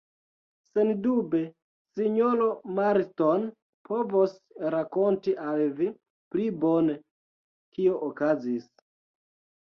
Sendube sinjoro Marston povos rakonti al vi pli bone, kio okazis.